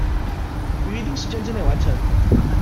於一定時間之内完成